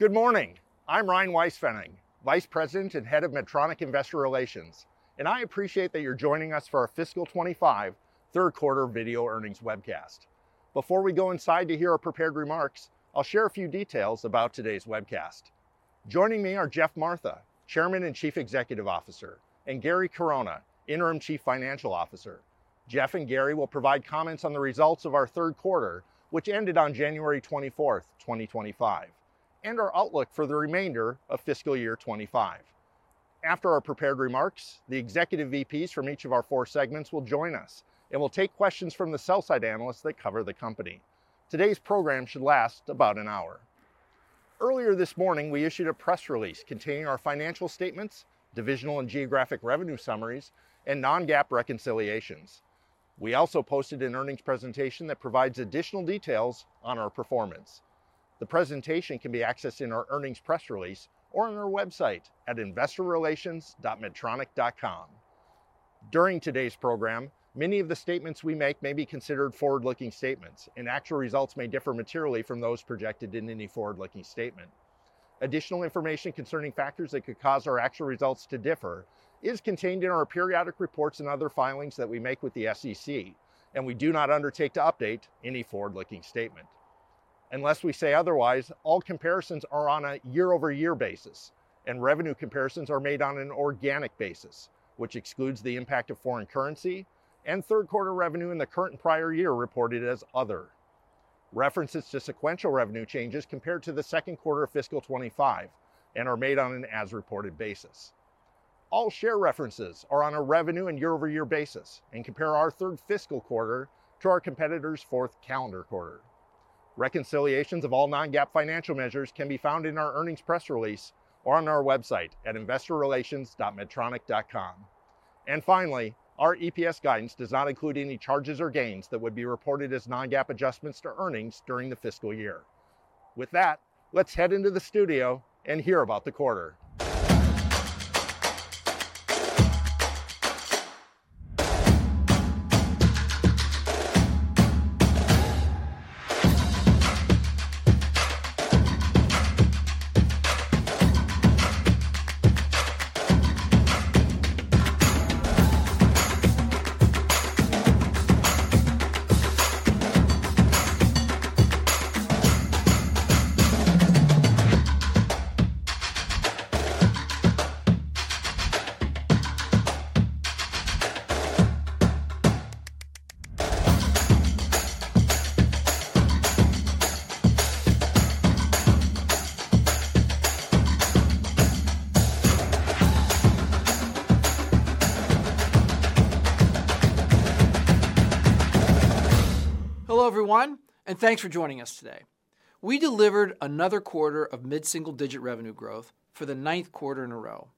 Good morning. I'm Ryan Weispfenning, Vice President and Head of Medtronic Investor Relations, and I appreciate that you're joining us for our Fiscal Year 2025 Third Quarter Video Earnings webcast. Before we go inside to hear our prepared remarks, I'll share a few details about today's webcast. Joining me are Geoff Martha, Chairman and Chief Executive Officer, and Gary Corona, Interim Chief Financial Officer. Geoff and Gary will provide comments on the results of our third quarter, which ended on January 24th, 2025, and our outlook for the remainder of fiscal year 2025. After our prepared remarks, the executive VPs from each of our four segments will join us and will take questions from the sell-side analysts that cover the company. Today's program should last about an hour. Earlier this morning, we issued a press release containing our financial statements, divisional and geographic revenue summaries, and non-GAAP reconciliations. We also posted an earnings presentation that provides additional details on our performance. The presentation can be accessed in our earnings press release or on our website at investorrelations.medtronic.com. During today's program, many of the statements we make may be considered forward-looking statements, and actual results may differ materially from those projected in any forward-looking statement. Additional information concerning factors that could cause our actual results to differ is contained in our periodic reports and other filings that we make with the SEC, and we do not undertake to update any forward-looking statement. Unless we say otherwise, all comparisons are on a year-over-year basis, and revenue comparisons are made on an organic basis, which excludes the impact of foreign currency and third quarter revenue in the current prior year reported as other. References to sequential revenue changes compared to the second quarter of fiscal 2025 are made on an as-reported basis. All share references are on a revenue and year-over-year basis and compare our third fiscal quarter to our competitor's fourth calendar quarter. Reconciliations of all non-GAAP financial measures can be found in our earnings press release or on our website at investorrelations.medtronic.com. And finally, our EPS guidance does not include any charges or gains that would be reported as non-GAAP adjustments to earnings during the fiscal year. With that, let's head into the studio and hear about the quarter. Hello everyone, and thanks for joining us today. We delivered another quarter of mid-single digit revenue growth for the ninth quarter in a row.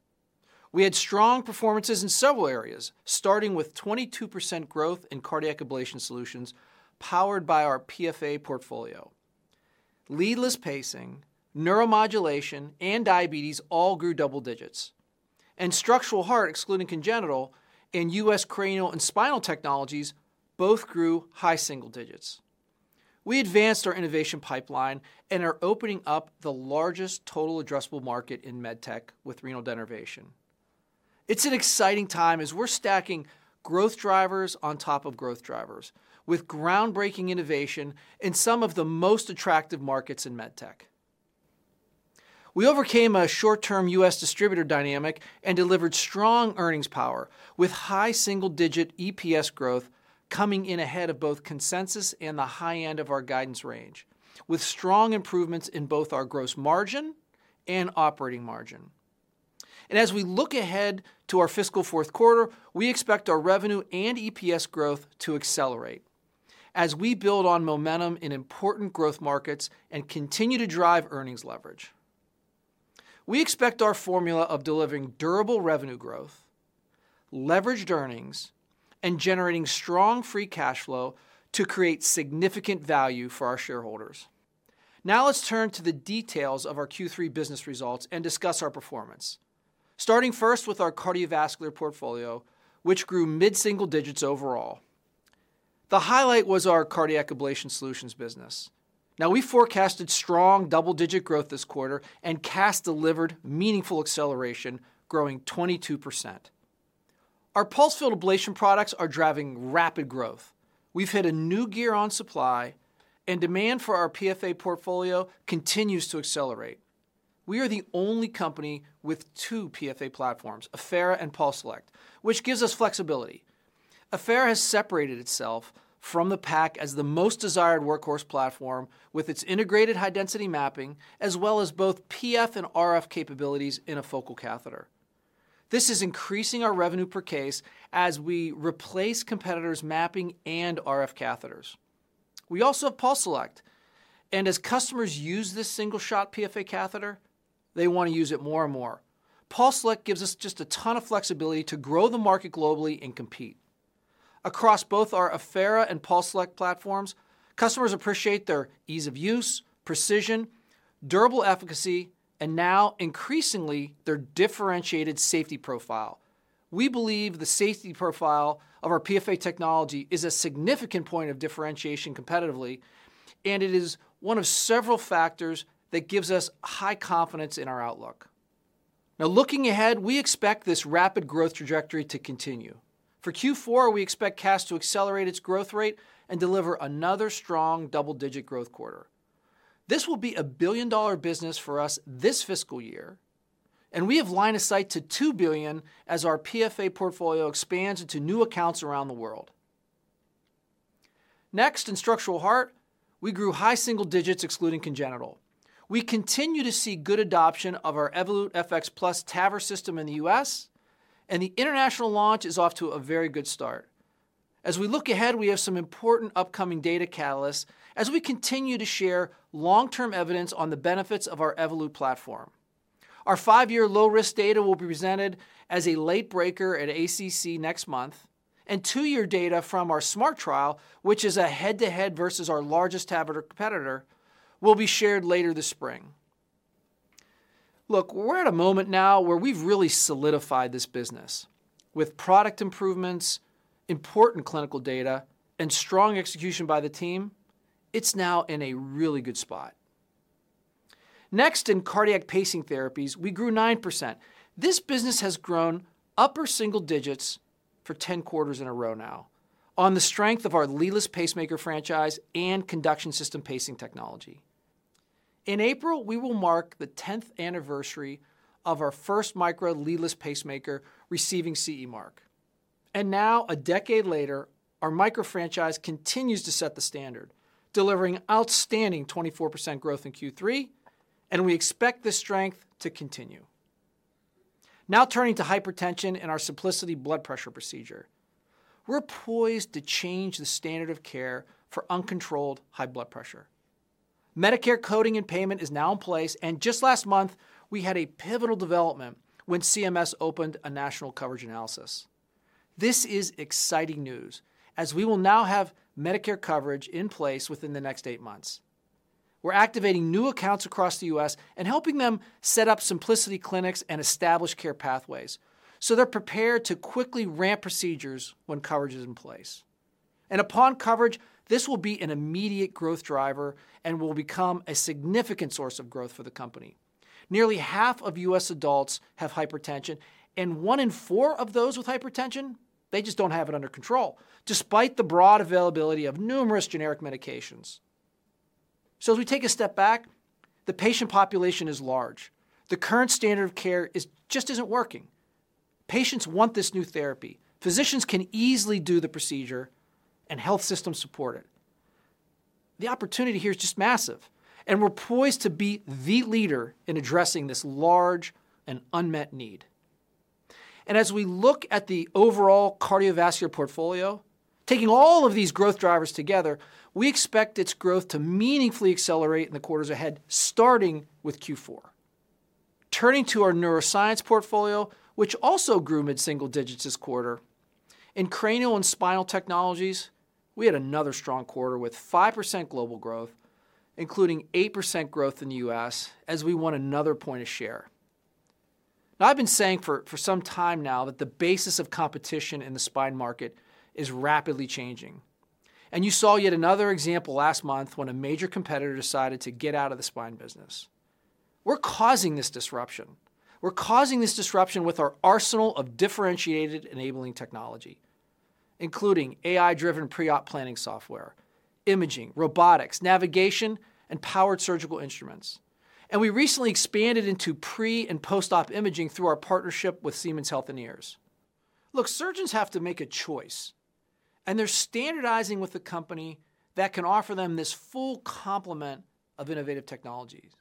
We had strong performances in several areas, starting with 22% growth in Cardiac Ablation Solutions powered by our PFA portfolio. Leadless pacing, Neuromodulation, and Diabetes all grew double digits, and Structural Heart, excluding Congenital, and U.S. Cranial & Spinal Technologies both grew high single digits. We advanced our innovation pipeline and are opening up the largest total addressable market in medtech with renal denervation. It's an exciting time as we're stacking growth drivers on top of growth drivers with groundbreaking innovation in some of the most attractive markets in medtech. We overcame a short-term U.S. distributor dynamic and delivered strong earnings power with high single digit EPS growth coming in ahead of both consensus and the high end of our guidance range, with strong improvements in both our gross margin and operating margin, and as we look ahead to our fiscal fourth quarter, we expect our revenue and EPS growth to accelerate as we build on momentum in important growth markets and continue to drive earnings leverage. We expect our formula of delivering durable revenue growth, leveraged earnings, and generating strong free cash flow to create significant value for our shareholders. Now let's turn to the details of our Q3 business results and discuss our performance, starting first with our Cardiovascular portfolio, which grew mid-single digits overall. The highlight was our Cardiac Ablation Solutions business. Now we forecasted strong double digit growth this quarter and CAS delivered meaningful acceleration, growing 22%. Our pulsed field ablation products are driving rapid growth. We've hit a new gear on supply, and demand for our PFA portfolio continues to accelerate. We are the only company with two PFA platforms, Affera and PulseSelect, which gives us flexibility. Affera has separated itself from the pack as the most desired workhorse platform with its integrated high density mapping, as well as both PF and RF capabilities in a focal catheter. This is increasing our revenue per case as we replace competitors' mapping and RF catheters. We also have PulseSelect, and as customers use this single shot PFA catheter, they want to use it more and more. PulseSelect gives us just a ton of flexibility to grow the market globally and compete. Across both our Affera and PulseSelect platforms, customers appreciate their ease of use, precision, durable efficacy, and now increasingly their differentiated safety profile. We believe the safety profile of our PFA technology is a significant point of differentiation competitively, and it is one of several factors that gives us high confidence in our outlook. Now, looking ahead, we expect this rapid growth trajectory to continue. For Q4, we expect CAS to accelerate its growth rate and deliver another strong double-digit growth quarter. This will be a $1 billion business for us this fiscal year, and we have a line of sight to $2 billion as our PFA portfolio expands into new accounts around the world. Next, in Structural Heart, we grew high single digits, excluding Congenital. We continue to see good adoption of our Evolut FX+ TAVR system in the U.S., and the international launch is off to a very good start. As we look ahead, we have some important upcoming data catalysts as we continue to share long-term evidence on the benefits of our Evolut platform. Our five-year low risk data will be presented as a late breaker at ACC next month, and two-year data from our SMART trial, which is a head-to-head versus our largest competitor, will be shared later this spring. Look, we're at a moment now where we've really solidified this business with product improvements, important clinical data, and strong execution by the team. It's now in a really good spot. Next, in Cardiac Pacing Therapies, we grew 9%. This business has grown upper single digits for 10 quarters in a row now on the strength of our leadless pacemaker franchise and conduction system pacing technology. In April, we will mark the 10th anniversary of our first Micra leadless pacemaker receiving CE Mark. And now, a decade later, our Micra franchise continues to set the standard, delivering outstanding 24% growth in Q3, and we expect this strength to continue. Now turning to hypertension and our Symplicity blood pressure procedure, we're poised to change the standard of care for uncontrolled high blood pressure. Medicare coding and payment is now in place, and just last month, we had a pivotal development when CMS opened a national coverage analysis. This is exciting news as we will now have Medicare coverage in place within the next eight months. We're activating new accounts across the U.S. and helping them set up Symplicity clinics and establish care pathways so they're prepared to quickly ramp procedures when coverage is in place, and upon coverage, this will be an immediate growth driver and will become a significant source of growth for the company. Nearly half of U.S. adults have hypertension, and one in four of those with hypertension, they just don't have it under control despite the broad availability of numerous generic medications, so as we take a step back, the patient population is large. The current standard of care just isn't working. Patients want this new therapy. Physicians can easily do the procedure, and health systems support it. The opportunity here is just massive, and we're poised to be the leader in addressing this large and unmet need. And as we look at the overall Cardiovascular portfolio, taking all of these growth drivers together, we expect its growth to meaningfully accelerate in the quarters ahead, starting with Q4. Turning to our Neuroscience Portfolio, which also grew mid-single digits this quarter, in Cranial & Spinal Technologies, we had another strong quarter with 5% global growth, including 8% growth in the U.S. as we won another point of share. Now, I've been saying for some time now that the basis of competition in the spine market is rapidly changing, and you saw yet another example last month when a major competitor decided to get out of the spine business. We're causing this disruption. We're causing this disruption with our arsenal of differentiated enabling technology, including AI driven pre-op planning software, imaging, robotics, navigation, and powered Surgical instruments. And we recently expanded into pre- and post-op imaging through our partnership with Siemens Healthineers. Look, surgeons have to make a choice, and they're standardizing with a company that can offer them this full complement of innovative technologies.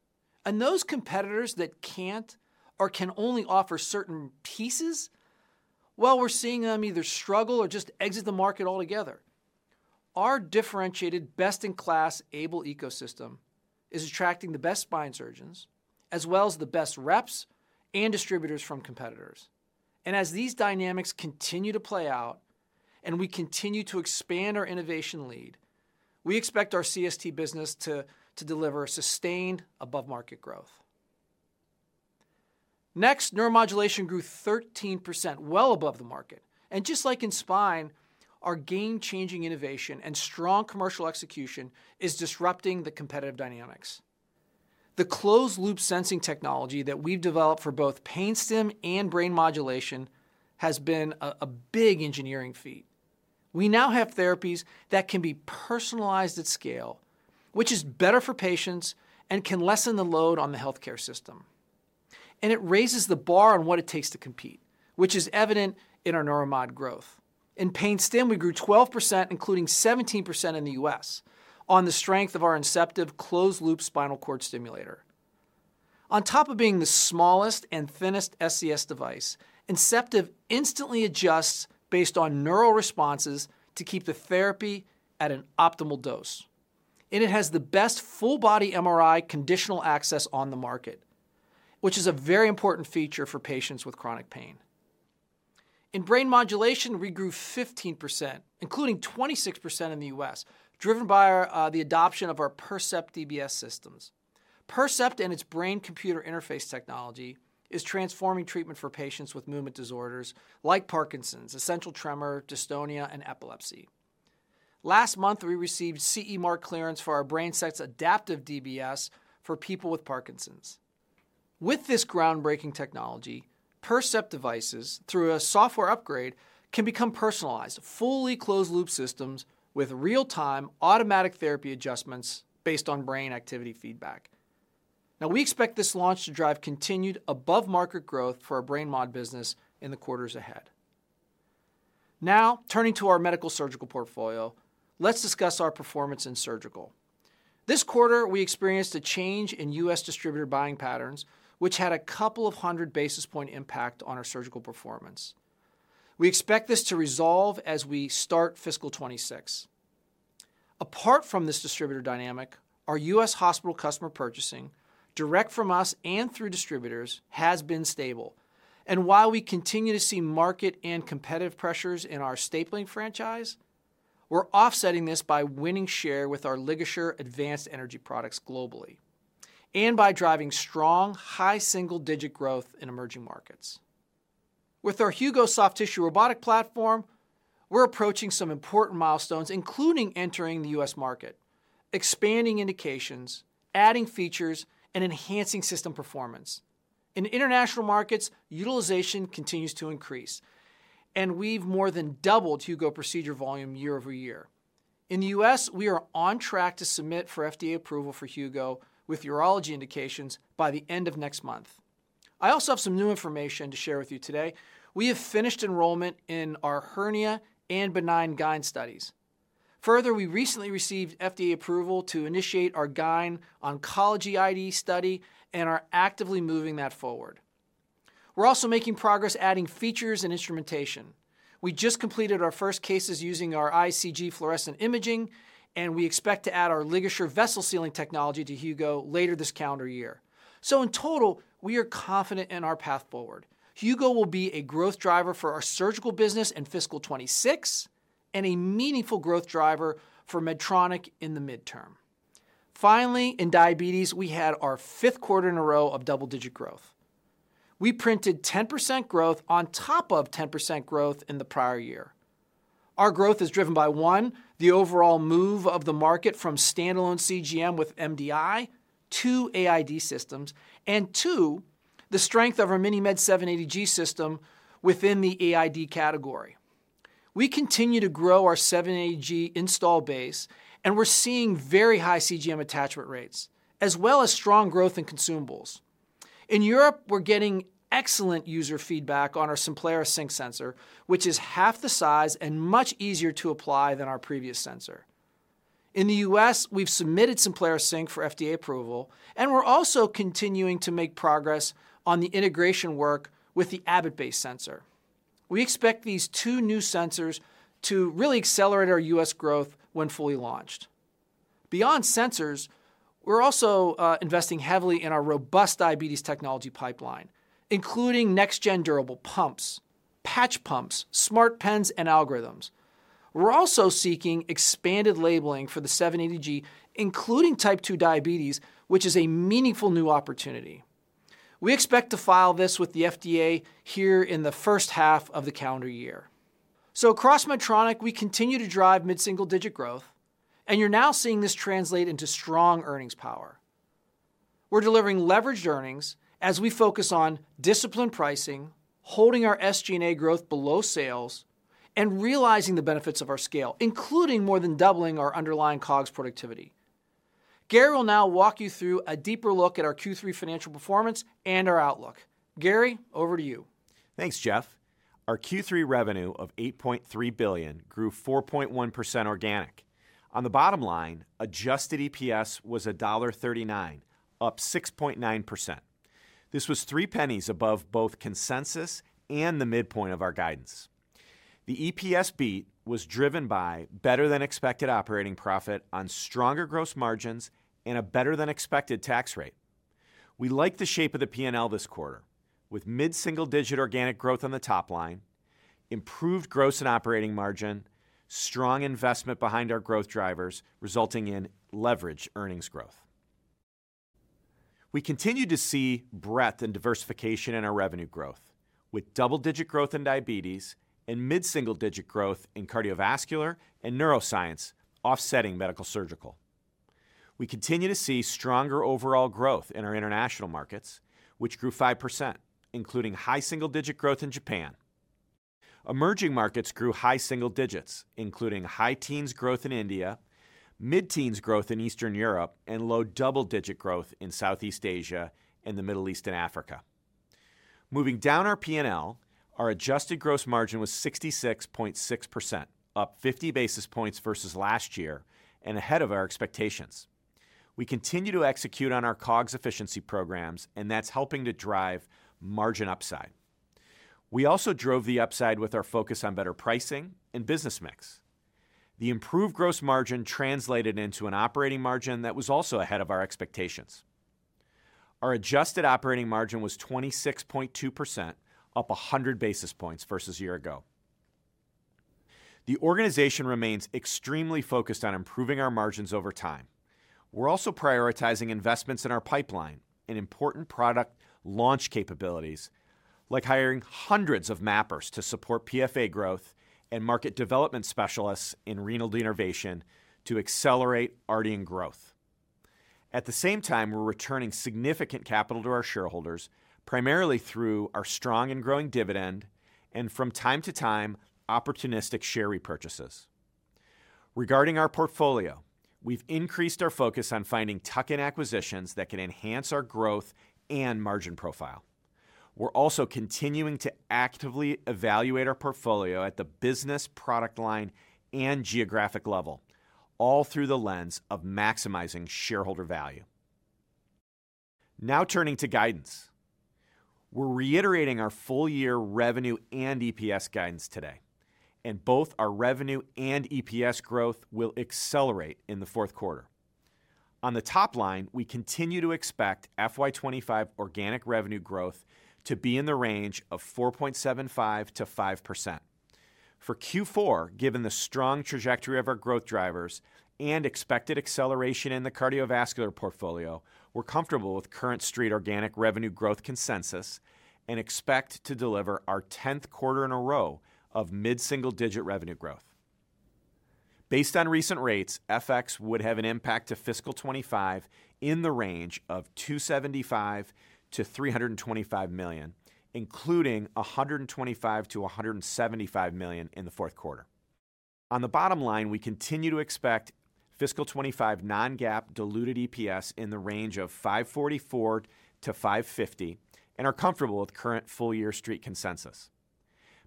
And those competitors that can't or can only offer certain pieces, well, we're seeing them either struggle or just exit the market altogether. Our differentiated best in class AiBLE ecosystem is attracting the best spine surgeons as well as the best reps and distributors from competitors. And as these dynamics continue to play out and we continue to expand our innovation lead, we expect our CST business to deliver sustained above market growth. Next, Neuromodulation grew 13%, well above the market. And just like in spine, our game changing innovation and strong commercial execution is disrupting the competitive dynamics. The closed loop sensing technology that we've developed for both pain stim and brain modulation has been a big engineering feat. We now have therapies that can be personalized at scale, which is better for patients and can lessen the load on the healthcare system, and it raises the bar on what it takes to compete, which is evident in our Neuromod growth. In pain stim, we grew 12%, including 17% in the U.S. on the strength of our Inceptiv closed loop spinal cord stimulator. On top of being the smallest and thinnest SCS device, Inceptiv instantly adjusts based on neural responses to keep the therapy at an optimal dose, and it has the best full body MRI conditional access on the market, which is a very important feature for patients with chronic pain. In brain modulation, we grew 15%, including 26% in the U.S., driven by the adoption of our Percept DBS systems. Percept and its brain computer interface technology is transforming treatment for patients with movement disorders like Parkinson's, essential tremor, dystonia, and epilepsy. Last month, we received CE Mark clearance for our BrainSense adaptive DBS for people with Parkinson's. With this groundbreaking technology, Percept devices through a software upgrade can become personalized, fully closed loop systems with real-time automatic therapy adjustments based on brain activity feedback. Now, we expect this launch to drive continued above market growth for our brain mod business in the quarters ahead. Now, turning to our Medical Surgical portfolio, let's discuss our performance in Surgical. This quarter, we experienced a change in U.S. distributor buying patterns, which had a couple of hundred basis point impact on our Surgical performance. We expect this to resolve as we start fiscal 2026. Apart from this distributor dynamic, our U.S. hospital customer purchasing direct from us and through distributors has been stable, and while we continue to see market and competitive pressures in our stapling franchise, we're offsetting this by winning share with our LigaSure Advanced Energy products globally and by driving strong high single digit growth in emerging markets. With our Hugo soft tissue robotic platform, we're approaching some important milestones, including entering the U.S. market, expanding indications, adding features, and enhancing system performance. In international markets, utilization continues to increase, and we've more than doubled Hugo procedure volume year over year. In the U.S., we are on track to submit for FDA approval for Hugo with urology indications by the end of next month. I also have some new information to share with you today. We have finished enrollment in our hernia and benign GYN studies. Further, we recently received FDA approval to initiate our GYN oncology IDE study and are actively moving that forward. We're also making progress adding features and instrumentation. We just completed our first cases using our ICG fluorescent imaging, and we expect to add our LigaSure vessel sealing technology to Hugo later this calendar year, so in total, we are confident in our path forward. Hugo will be a growth driver for our Surgical business in fiscal 2026 and a meaningful growth driver for Medtronic in the midterm. Finally, in Diabetes, we had our fifth quarter in a row of double-digit growth. We printed 10% growth on top of 10% growth in the prior year. Our growth is driven by one, the overall move of the market from standalone CGM with MDI to AID systems, and two, the strength of our MiniMed 780G system within the AID category. We continue to grow our 780G install base, and we're seeing very high CGM attachment rates as well as strong growth in consumables. In Europe, we're getting excellent user feedback on our Simplera Sync sensor, which is half the size and much easier to apply than our previous sensor. In the U.S., we've submitted Simplera Sync for FDA approval, and we're also continuing to make progress on the integration work with the Abbott-based sensor. We expect these two new sensors to really accelerate our U.S. growth when fully launched. Beyond sensors, we're also investing heavily in our robust Diabetes technology pipeline, including next-gen durable pumps, patch pumps, smart pens, and algorithms. We're also seeking expanded labeling for the 780G, including Type 2 diabetes, which is a meaningful new opportunity. We expect to file this with the FDA here in the first half of the calendar year. So across Medtronic, we continue to drive mid-single digit growth, and you're now seeing this translate into strong earnings power. We're delivering leveraged earnings as we focus on disciplined pricing, holding our SG&A growth below sales, and realizing the benefits of our scale, including more than doubling our underlying COGS productivity. Gary will now walk you through a deeper look at our Q3 financial performance and our outlook. Gary, over to you. Thanks, Geoff. Our Q3 revenue of $8.3 billion grew 4.1% organic. On the bottom line, adjusted EPS was $1.39, up 6.9%. This was $0.03 above both consensus and the midpoint of our guidance. The EPS beat was driven by better-than-expected operating profit on stronger gross margins and a better-than-expected tax rate. We liked the shape of the P&L this quarter with mid-single digit organic growth on the top line, improved gross and operating margin, strong investment behind our growth drivers resulting in leveraged earnings growth. We continue to see breadth and diversification in our revenue growth with double digit growth in Diabetes and mid-single digit growth in Cardiovascular and Neuroscience offsetting Medical Surgical. We continue to see stronger overall growth in our international markets, which grew 5%, including high single digit growth in Japan. Emerging markets grew high single digits, including high teens growth in India, mid-teens growth in Eastern Europe, and low double digit growth in Southeast Asia and the Middle East and Africa. Moving down our P&L, our adjusted gross margin was 66.6%, up 50 basis points versus last year and ahead of our expectations. We continue to execute on our COGS efficiency programs, and that's helping to drive margin upside. We also drove the upside with our focus on better pricing and business mix. The improved gross margin translated into an operating margin that was also ahead of our expectations. Our adjusted operating margin was 26.2%, up 100 basis points versus a year ago. The organization remains extremely focused on improving our margins over time. We're also prioritizing investments in our pipeline and important product launch capabilities like hiring hundreds of mappers to support PFA growth and market development specialists in renal denervation to accelerate RDN growth. At the same time, we're returning significant capital to our shareholders, primarily through our strong and growing dividend and from time to time, opportunistic share repurchases. Regarding our portfolio, we've increased our focus on finding tuck-in acquisitions that can enhance our growth and margin profile. We're also continuing to actively evaluate our portfolio at the business, product line, and geographic level, all through the lens of maximizing shareholder value. Now turning to guidance, we're reiterating our full year revenue and EPS guidance today, and both our revenue and EPS growth will accelerate in the fourth quarter. On the top line, we continue to expect FY 2025 organic revenue growth to be in the range of 4.75%-5%. For Q4, given the strong trajectory of our growth drivers and expected acceleration in the Cardiovascular portfolio, we're comfortable with current Street organic revenue growth consensus and expect to deliver our 10th quarter in a row of mid-single digit revenue growth. Based on recent rates, FX would have an impact to fiscal 2025 in the range of $275 million-$325 million, including $125 million-$175 million in the fourth quarter. On the bottom line, we continue to expect fiscal 2025 non-GAAP diluted EPS in the range of $5.44-$5.50 and are comfortable with current full year Street consensus.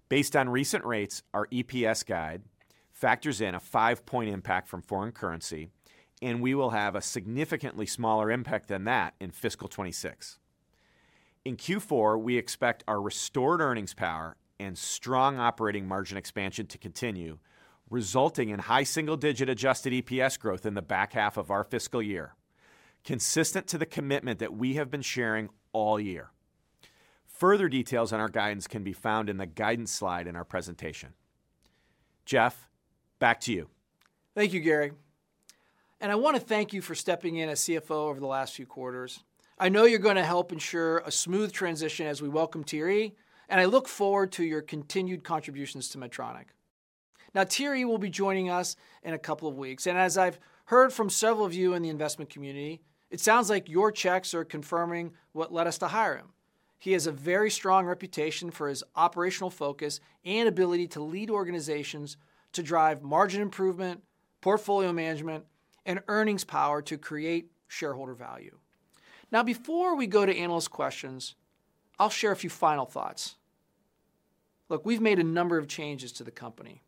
Based on recent rates, our EPS guide factors in a five-point impact from foreign currency, and we will have a significantly smaller impact than that in fiscal 2026. In Q4, we expect our restored earnings power and strong operating margin expansion to continue, resulting in high single digit adjusted EPS growth in the back half of our fiscal year, consistent to the commitment that we have been sharing all year. Further details on our guidance can be found in the guidance slide in our presentation. Geoff, back to you. Thank you, Gary, and I want to thank you for stepping in as CFO over the last few quarters. I know you're going to help ensure a smooth transition as we welcome Thierry, and I look forward to your continued contributions to Medtronic. Now, Thierry will be joining us in a couple of weeks, and as I've heard from several of you in the investment community, it sounds like your checks are confirming what led us to hire him. He has a very strong reputation for his operational focus and ability to lead organizations to drive margin improvement, portfolio management, and earnings power to create shareholder value. Now, before we go to analyst questions, I'll share a few final thoughts. Look, we've made a number of changes to the company,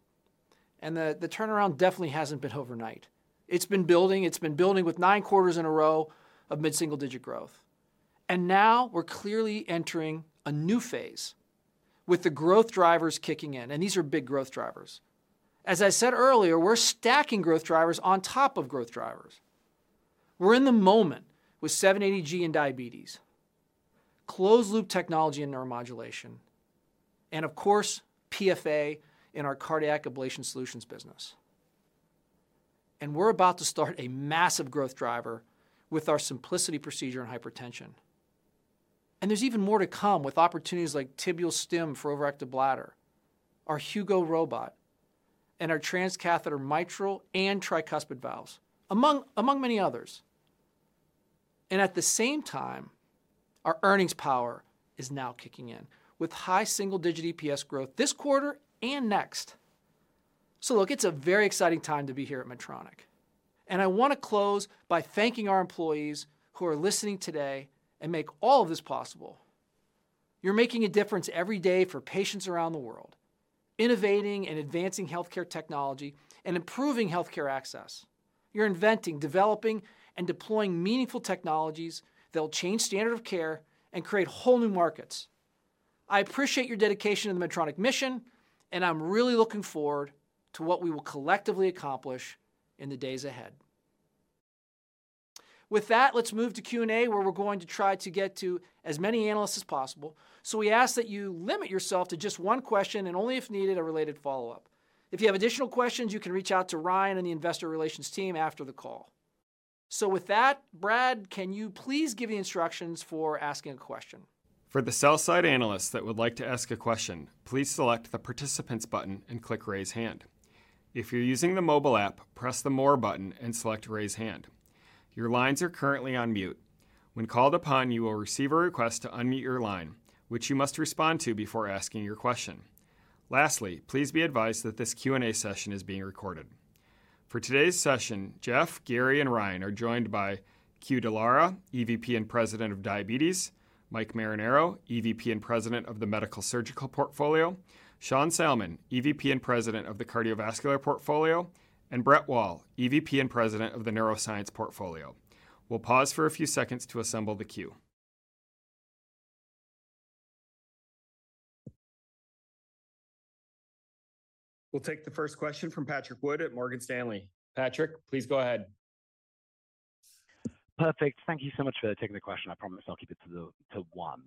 and the turnaround definitely hasn't been overnight. It's been building. It's been building with nine quarters in a row of mid-single digit growth. And now we're clearly entering a new phase with the growth drivers kicking in, and these are big growth drivers. As I said earlier, we're stacking growth drivers on top of growth drivers. We're in the moment with 780G and Diabetes, closed loop technology and Neuromodulation, and of course, PFA in our Cardiac Ablation Solutions business. And we're about to start a massive growth driver with our Symplicity procedure and hypertension. And there's even more to come with opportunities like tibial stim for overactive bladder, our Hugo robot, and our transcatheter mitral and tricuspid valves, among many others. And at the same time, our earnings power is now kicking in with high single digit EPS growth this quarter and next. So look, it's a very exciting time to be here at Medtronic. And I want to close by thanking our employees who are listening today and make all of this possible. You're making a difference every day for patients around the world, innovating and advancing healthcare technology and improving healthcare access. You're inventing, developing, and deploying meaningful technologies that will change standard of care and create whole new markets. I appreciate your dedication to the Medtronic mission, and I'm really looking forward to what we will collectively accomplish in the days ahead. With that, let's move to Q&A, where we're going to try to get to as many analysts as possible. So we ask that you limit yourself to just one question and only, if needed, a related follow-up. If you have additional questions, you can reach out to Ryan and the investor relations team after the call. So with that, Brad, can you please give the instructions for asking a question? For the sell-side analysts that would like to ask a question, please select the participants button and click raise hand. If you're using the mobile app, press the more button and select raise hand. Your lines are currently on mute. When called upon, you will receive a request to unmute your line, which you must respond to before asking your question. Lastly, please be advised that this Q&A session is being recorded. For today's session, Geoff, Gary, and Ryan are joined by Que Dallara, EVP and President of Diabetes; Mike Marinaro, EVP and President of the Medical Surgical Portfolio; Sean Salmon, EVP and President of the Cardiovascular Portfolio; and Brett Wall, EVP and President of the Neuroscience Portfolio. We'll pause for a few seconds to assemble the queue. We'll take the first question from Patrick Wood at Morgan Stanley. Patrick, please go ahead. Perfect. Thank you so much for taking the question. I promise I'll keep it to one.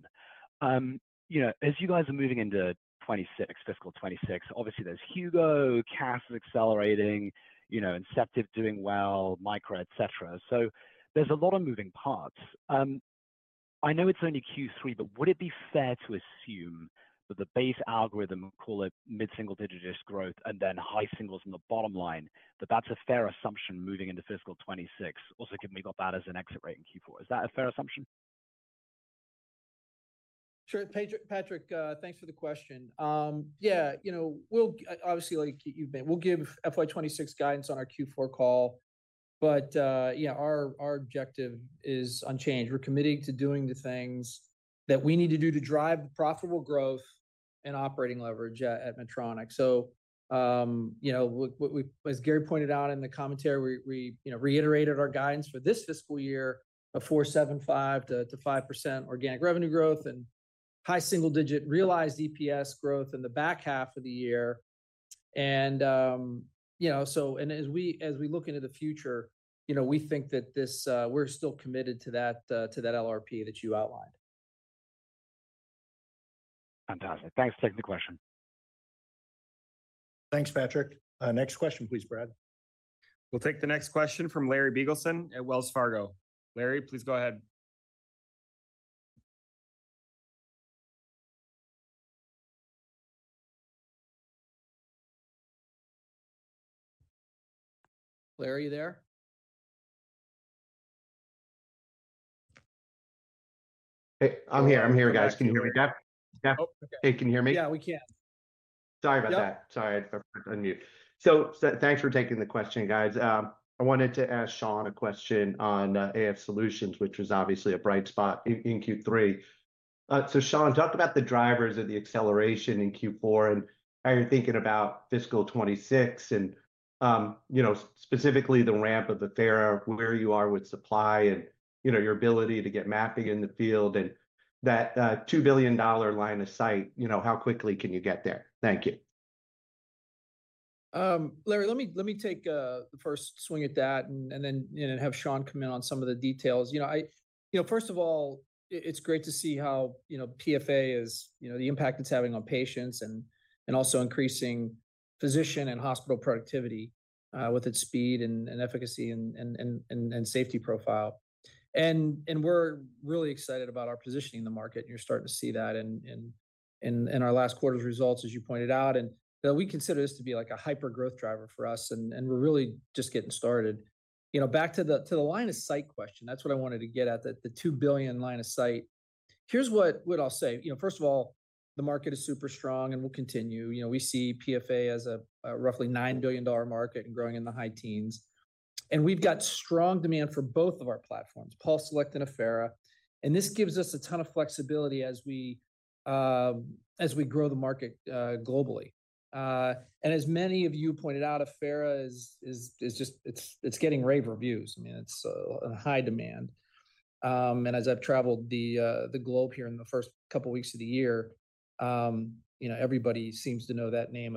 You know, as you guys are moving into 2026, fiscal 2026, obviously there's Hugo, CAS is accelerating, you know, Inceptiv doing well, Micra, et cetera. So there's a lot of moving parts. I know it's only Q3, but would it be fair to assume that the base algorithm, call it mid-single digit growth and then high singles on the bottom line, that that's a fair assumption moving into fiscal 2026? Also, can we get that as an exit rate in Q4? Is that a fair assumption? Sure. Patrick, thanks for the question. Yeah, you know, we'll obviously, like you've been, we'll give FY 2026 guidance on our Q4 call, but yeah, our objective is unchanged. We're committed to doing the things that we need to do to drive profitable growth and operating leverage at Medtronic. So, you know, as Gary pointed out in the commentary, we reiterated our guidance for this fiscal year of 4.75%-5% organic revenue growth and high single digit realized EPS growth in the back half of the year. And, you know, so, and as we look into the future, you know, we think that this, we're still committed to that LRP that you outlined. Fantastic. Thanks for taking the question. Thanks, Patrick. Next question, please, Brad. We'll take the next question from Larry Biegelsen at Wells Fargo. Larry, please go ahead. Larry, you there? Hey, I'm here. I'm here, guys. Can you hear me, Geoff? Oh, okay. Hey, can you hear me? Yeah, we can. Sorry about that. Sorry. Thanks for taking the question, guys. I wanted to ask Sean a question on AF solutions, which was obviously a bright spot in Q3. Sean, talk about the drivers of the acceleration in Q4 and how you're thinking about fiscal 2026 and, you know, specifically the ramp of the Affera, where you are with supply and, you know, your ability to get mapping in the field and that $2 billion line of sight, you know, how quickly can you get there? Thank you. Larry, let me take the first swing at that and then have Sean come in on some of the details. You know, I, you know, first of all, it's great to see how, you know, PFA is, you know, the impact it's having on patients and also increasing physician and hospital productivity with its speed and efficacy and safety profile. And we're really excited about our positioning in the market, and you're starting to see that in our last quarter's results, as you pointed out. And we consider this to be like a hyper growth driver for us, and we're really just getting started. You know, back to the line of sight question, that's what I wanted to get at, the $2 billion line of sight. Here's what I'll say. You know, first of all, the market is super strong and we'll continue. You know, we see PFA as a roughly $9 billion market and growing in the high teens%. And we've got strong demand for both of our platforms, PulseSelect and Affera. And this gives us a ton of flexibility as we grow the market globally. And as many of you pointed out, Affera is just, it's getting rave reviews. I mean, it's a high demand. And as I've traveled the globe here in the first couple of weeks of the year, you know, everybody seems to know that name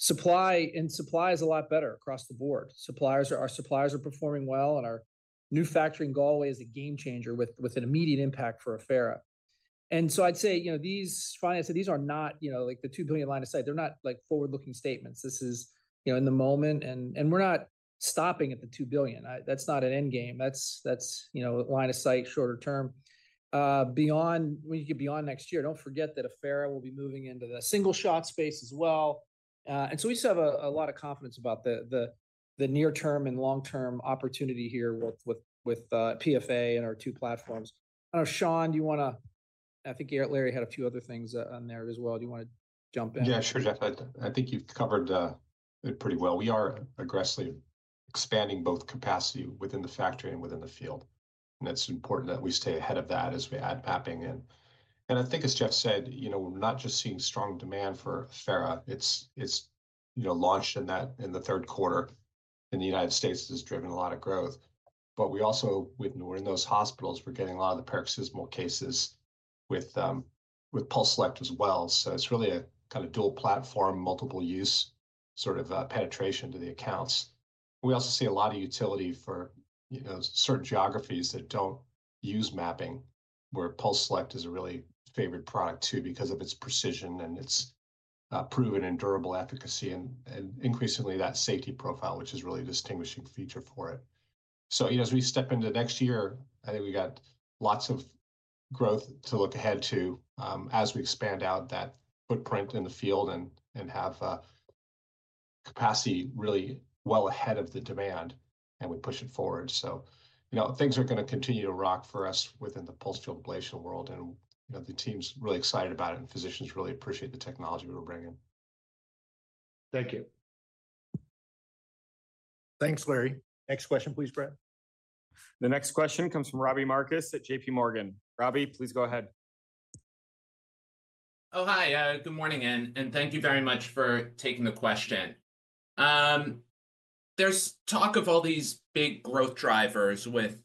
Affera. Supply is a lot better across the board. Our suppliers are performing well, and our new facility in Galway is a game changer with an immediate impact for Affera. And so I'd say, you know, these fundamentals, these are not, you know, like the $2 billion line of sight, they're not like forward-looking statements. This is, you know, in the moment, and we're not stopping at the $2 billion. That's not an end game. That's, you know, line of sight, shorter term. Beyond, when you get beyond next year, don't forget that Affera will be moving into the single shot space as well. And so we just have a lot of confidence about the near term and long term opportunity here with PFA and our two platforms. I don't know, Sean, do you want to, I think Larry had a few other things on there as well. Do you want to jump in? Yeah, sure, Geoff. I think you've covered it pretty well. We are aggressively expanding both capacity within the factory and within the field. And it's important that we stay ahead of that as we add mapping. And I think, as Geoff said, you know, we're not just seeing strong demand for Affera. It's, you know, launched in the third quarter in the United States has driven a lot of growth. But we also, we're in those hospitals, we're getting a lot of the paroxysmal cases with PulseSelect as well. So it's really a kind of dual platform, multiple use sort of penetration to the accounts. We also see a lot of utility for, you know, certain geographies that don't use mapping, where PulseSelect is a really favorite product too because of its precision and its proven and durable efficacy and increasingly that safety profile, which is really a distinguishing feature for it. So, you know, as we step into next year, I think we got lots of growth to look ahead to as we expand out that footprint in the field and have capacity really well ahead of the demand and we push it forward. So, you know, things are going to continue to rock for us within the pulsed field ablation world. And, you know, the team's really excited about it and physicians really appreciate the technology we're bringing. Thank you. Thanks, Larry. Next question, please, Brad. The next question comes from Robbie Marcus at JPMorgan. Robbie, please go ahead. Oh, hi. Good morning. And thank you very much for taking the question. There's talk of all these big growth drivers with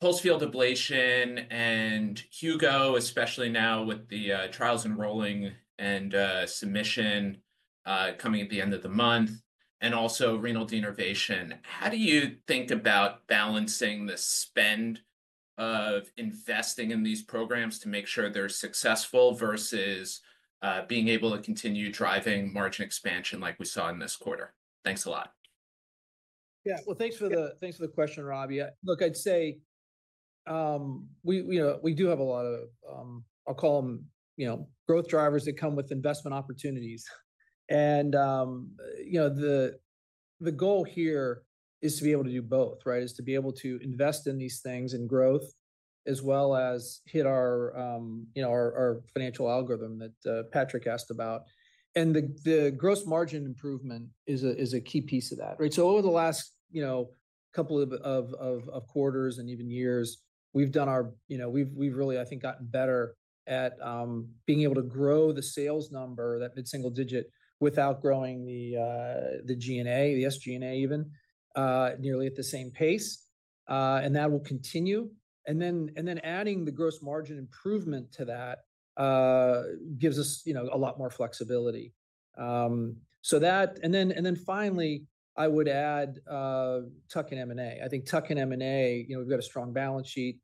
pulsed field ablation and Hugo, especially now with the trials enrolling and submission coming at the end of the month and also renal denervation. How do you think about balancing the spend of investing in these programs to make sure they're successful versus being able to continue driving margin expansion like we saw in this quarter? Thanks a lot. Yeah, well, thanks for the question, Robbie. Look, I'd say, you know, we do have a lot of, I'll call them, you know, growth drivers that come with investment opportunities. And, you know, the goal here is to be able to do both, right? Is to be able to invest in these things and growth as well as hit our, you know, our financial algorithm that Patrick asked about. And the gross margin improvement is a key piece of that, right? So over the last, you know, couple of quarters and even years, we've done our, you know, we've really, I think, gotten better at being able to grow the sales number, that mid-single digit, without growing the SG&A even nearly at the same pace. And that will continue. And then adding the gross margin improvement to that gives us, you know, a lot more flexibility. So that, and then finally, I would add tuck-in M&A. I think tuck-in M&A, you know, we've got a strong balance sheet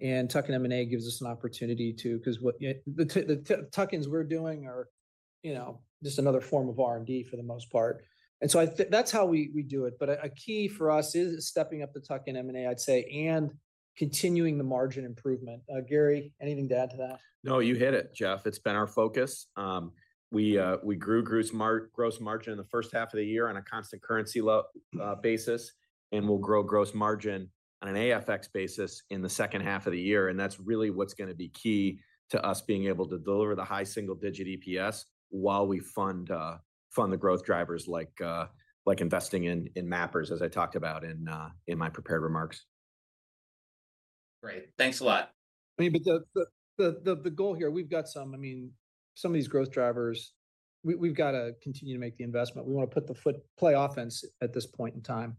and tuck-in M&A gives us an opportunity to, because the tuck-ins we're doing are, you know, just another form of R&D for the most part. And so that's how we do it. But a key for us is stepping up the tuck-in M&A, I'd say, and continuing the margin improvement. Gary, anything to add to that? No, you hit it, Geoff. It's been our focus. We grew gross margin in the first half of the year on a constant currency basis and we'll grow gross margin on an FX basis in the second half of the year. And that's really what's going to be key to us being able to deliver the high single digit EPS while we fund the growth drivers like investing in mappers, as I talked about in my prepared remarks. Great. Thanks a lot. I mean, but the goal here, we've got some, I mean, some of these growth drivers, we've got to continue to make the investment. We want to put the pedal to the metal at this point in time.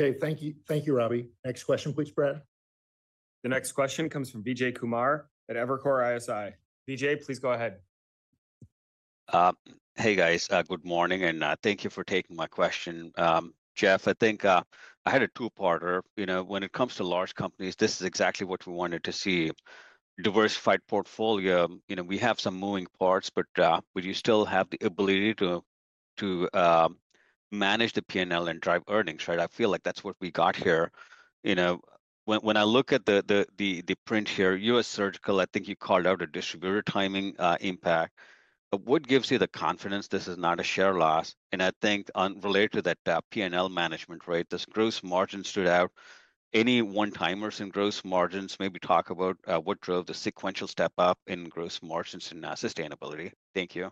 Okay, thank you, Robbie. Next question, please, Brad. The next question comes from Vijay Kumar at Evercore ISI. Vijay, please go ahead. Hey, guys. Good morning, and thank you for taking my question. Geoff, I think I had a two-parter. You know, when it comes to large companies, this is exactly what we wanted to see. Diversified portfolio, you know, we have some moving parts, but we still have the ability to manage the P&L and drive earnings, right? I feel like that's what we got here. You know, when I look at the print here, in Surgical, I think you called out a distributor timing impact. What gives you the confidence this is not a share loss? And I think related to that P&L management there, this gross margin stood out. Any one-timers in gross margins? Maybe talk about what drove the sequential step up in gross margins and sustainability. Thank you.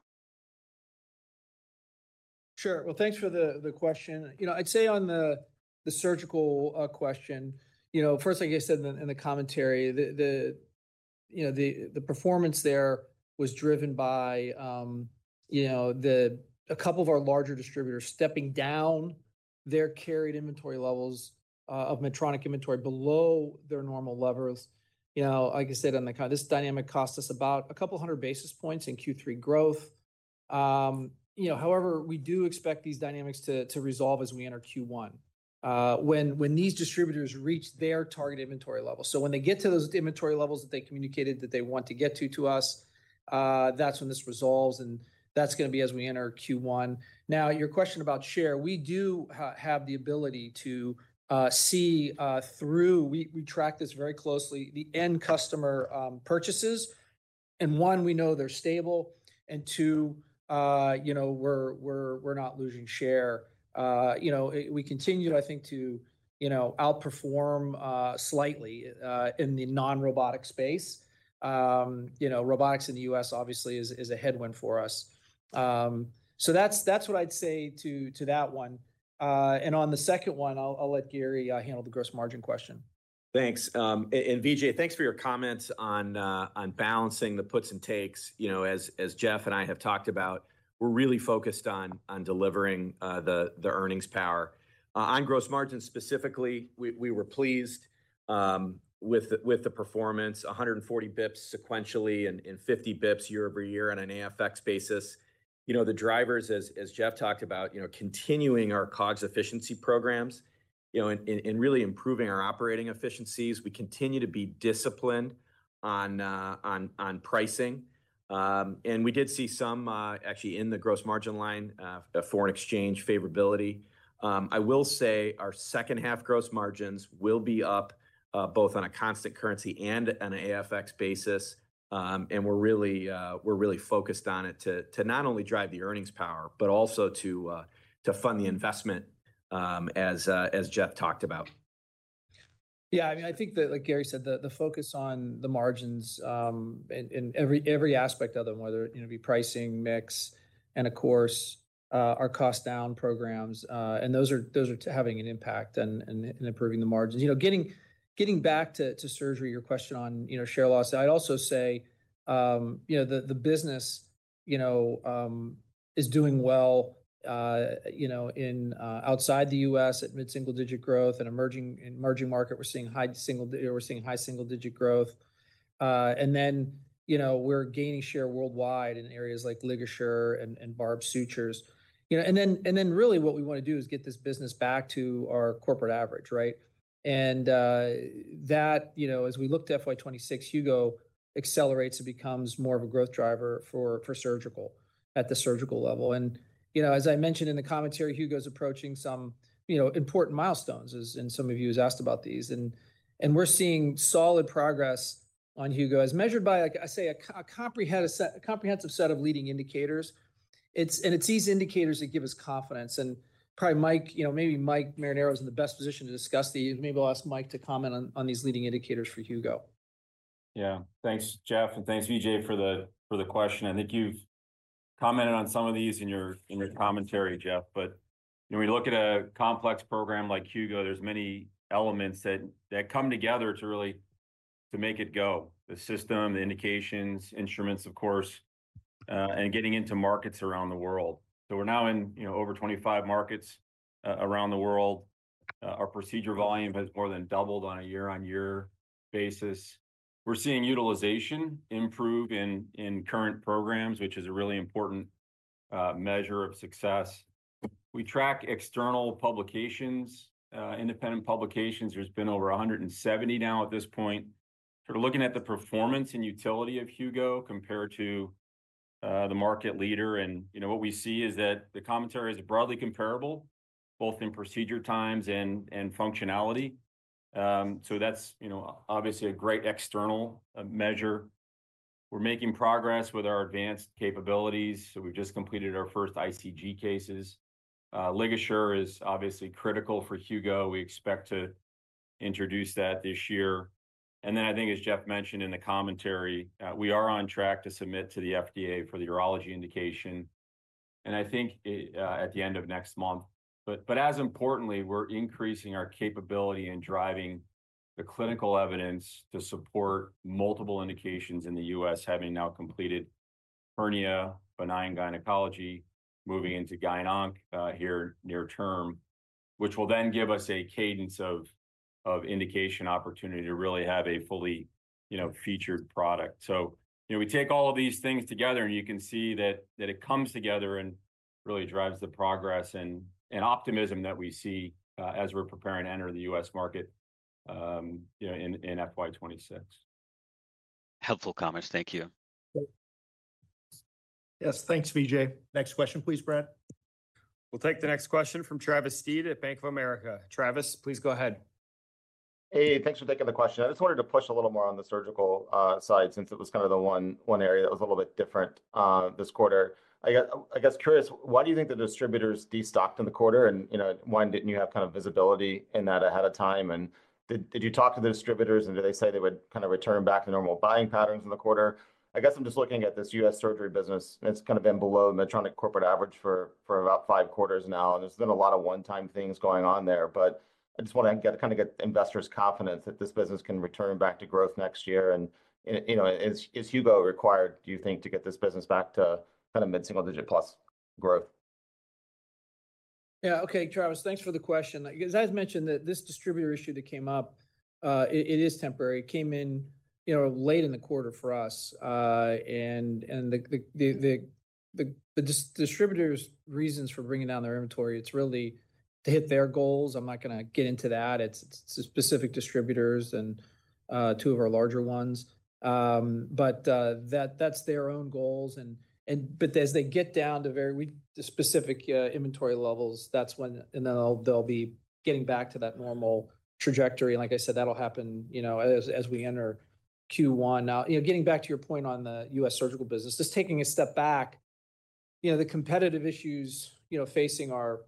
Sure. Well, thanks for the question. You know, I'd say on the Surgical question, you know, first, like I said in the commentary, the, you know, the performance there was driven by, you know, a couple of our larger distributors stepping down their carried inventory levels of Medtronic inventory below their normal levels. You know, like I said, this dynamic cost us about a couple hundred basis points in Q3 growth. You know, however, we do expect these dynamics to resolve as we enter Q1 when these distributors reach their target inventory level. So when they get to those inventory levels that they communicated that they want to get to to us, that's when this resolves and that's going to be as we enter Q1. Now, your question about share, we do have the ability to see through, we track this very closely, the end customer purchases. And one, we know they're stable. And two, you know, we're not losing share. You know, we continue, I think, to, you know, outperform slightly in the non-robotic space. You know, robotics in the U.S. obviously is a headwind for us. So that's what I'd say to that one. And on the second one, I'll let Gary handle the gross margin question. Thanks. And Vijay, thanks for your comments on balancing the puts and takes. You know, as Geoff and I have talked about, we're really focused on delivering the earnings power. On gross margins specifically, we were pleased with the performance, 140 basis points sequentially and 50 basis points year over year on an ex-FX basis. You know, the drivers, as Geoff talked about, you know, continuing our COGS efficiency programs, you know, and really improving our operating efficiencies. We continue to be disciplined on pricing. And we did see some actually in the gross margin line, foreign exchange favorability. I will say our second half gross margins will be up both on a constant currency and an AFX basis. And we're really focused on it to not only drive the earnings power, but also to fund the investment as Geoff talked about. Yeah, I mean, I think that, like Gary said, the focus on the margins in every aspect of them, whether it be pricing, mix, and of course, our cost down programs, and those are having an impact and improving the margins. You know, getting back to surgery, your question on, you know, share loss, I'd also say, you know, the business, you know, is doing well, you know, outside the U.S. at mid-single digit growth and emerging market, we're seeing high single digit growth. And then, you know, we're gaining share worldwide in areas like LigaSure and barbed sutures. You know, and then really what we want to do is get this business back to our corporate average, right, and that, you know, as we looked at FY 2026, Hugo accelerates and becomes more of a growth driver for Surgical at the Surgical level. You know, as I mentioned in the commentary, Hugo's approaching some, you know, important milestones as some of you have asked about these. We're seeing solid progress on Hugo as measured by, I say, a comprehensive set of leading indicators. It's these indicators that give us confidence. Probably Mike, you know, maybe Mike Marinaro is in the best position to discuss these. Maybe I'll ask Mike to comment on these leading indicators for Hugo. Yeah. Thanks, Geoff. And thanks, Vijay, for the question. I think you've commented on some of these in your commentary, Geoff. But when you look at a complex program like Hugo, there's many elements that come together to really make it go. The system, the indications, instruments, of course, and getting into markets around the world. So we're now in, you know, over 25 markets around the world. Our procedure volume has more than doubled on a year-on-year basis. We're seeing utilization improve in current programs, which is a really important measure of success. We track external publications, independent publications. There's been over 170 now at this point. We're looking at the performance and utility of Hugo compared to the market leader. And, you know, what we see is that the commentary is broadly comparable, both in procedure times and functionality. So that's, you know, obviously a great external measure. We're making progress with our advanced capabilities, so we've just completed our first ICG cases. LigaSure is obviously critical for Hugo. We expect to introduce that this year and then I think, as Geoff mentioned in the commentary, we are on track to submit to the FDA for the urology indication and I think at the end of next month, but as importantly, we're increasing our capability in driving the clinical evidence to support multiple indications in the U.S., having now completed hernia, benign gynecology, moving into GYN onc here near term, which will then give us a cadence of indication opportunity to really have a fully, you know, featured product. You know, we take all of these things together and you can see that it comes together and really drives the progress and optimism that we see as we're preparing to enter the U.S. market, you know, in FY 2026. Helpful comments. Thank you. Yes. Thanks, Vijay. Next question, please, Brad. We'll take the next question from Travis Steed at Bank of America. Travis, please go ahead. Hey, thanks for taking the question. I just wanted to push a little more on the Surgical side since it was kind of the one area that was a little bit different this quarter. I'm curious, why do you think the distributors destocked in the quarter? And, you know, why didn't you have kind of visibility in that ahead of time? And did you talk to the distributors and did they say they would kind of return back to normal buying patterns in the quarter? I guess I'm just looking at this U.S. surgery business. It's kind of been below Medtronic corporate average for about five quarters now. And there's been a lot of one-time things going on there. But I just want to kind of get investors' confidence that this business can return back to growth next year. You know, is Hugo required, do you think, to get this business back to kind of mid-single digit plus growth? Yeah. Okay, Travis, thanks for the question. As I mentioned, this distributor issue that came up, it is temporary. It came in, you know, late in the quarter for us. And the distributor's reasons for bringing down their inventory, it's really to hit their goals. I'm not going to get into that. It's specific distributors and two of our larger ones. But that's their own goals. And, but as they get down to very specific inventory levels, that's when they'll be getting back to that normal trajectory. And like I said, that'll happen, you know, as we enter Q1. Now, you know, getting back to your point on the U.S. Surgical business, just taking a step back, you know, the competitive issues, you know, facing our,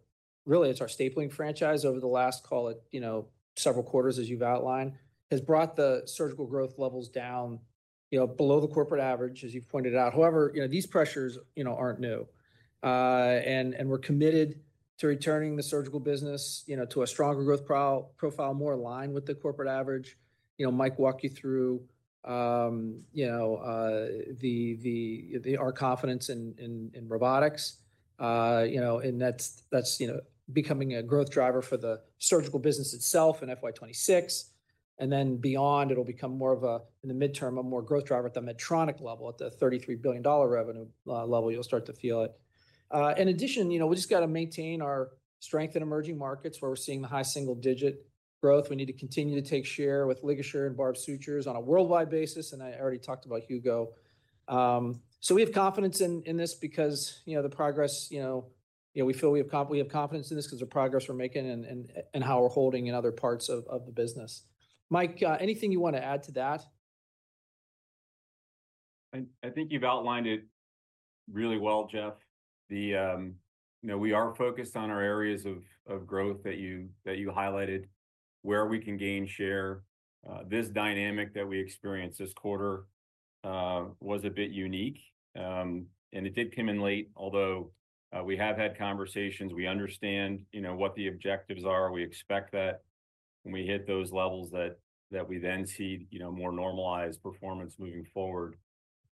really it's our stapling franchise over the last, call it, you know, several quarters as you've outlined, has brought the Surgical growth levels down, you know, below the corporate average as you've pointed out. However, you know, these pressures, you know, aren't new, and we're committed to returning the Surgical business, you know, to a stronger growth profile, more aligned with the corporate average. You know, Mike walked you through, you know, our confidence in robotics, you know, and that's, you know, becoming a growth driver for the Surgical business itself in FY 2026, and then beyond, it'll become more of a, in the midterm, a more growth driver at the Medtronic level at the $33 billion revenue level. You'll start to feel it. In addition, you know, we just got to maintain our strength in emerging markets where we're seeing the high single digit growth. We need to continue to take share with LigaSure and barbed sutures on a worldwide basis. I already talked about Hugo. So we have confidence in this because, you know, the progress we're making and how we're holding in other parts of the business. Mike, anything you want to add to that? I think you've outlined it really well, Geoff. You know, we are focused on our areas of growth that you highlighted, where we can gain share. This dynamic that we experienced this quarter was a bit unique, and it did come in late, although we have had conversations. We understand, you know, what the objectives are. We expect that when we hit those levels that we then see, you know, more normalized performance moving forward.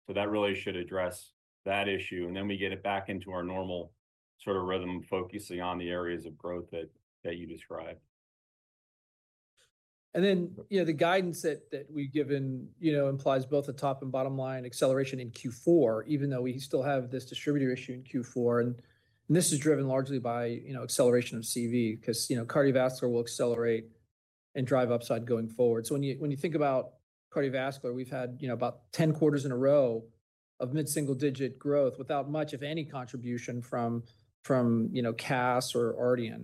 So that really should address that issue, and then we get it back into our normal sort of rhythm, focusing on the areas of growth that you described. Then, you know, the guidance that we've given, you know, implies both the top and bottom line acceleration in Q4, even though we still have this distributor issue in Q4. And this is driven largely by, you know, acceleration of CV because, you know, Cardiovascular will accelerate and drive upside going forward. So when you think about Cardiovascular, we've had, you know, about 10 quarters in a row of mid-single digit growth without much of any contribution from, you know, CAS or Affera.